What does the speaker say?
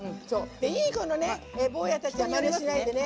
いい子のね坊やたちはまねしないでね。